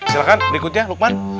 silahkan berikutnya lukman